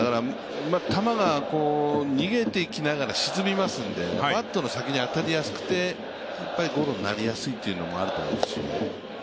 球が逃げていきながら沈みますので、バットの先に当たりやすくてゴロになりやすいというのもあるんでしょうね。